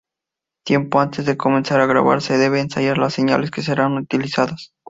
Tiempo antes de comenzar a grabar se deben ensayar las señales que serán utilizadas.